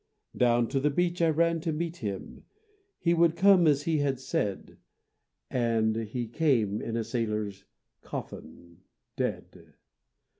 Down to the beach I ran to meet him; He would come as he had said: And he came in a sailor's coffin, Dead!...